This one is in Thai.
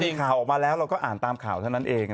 มีข่าวออกมาแล้วเราก็อ่านตามข่าวเท่านั้นเอง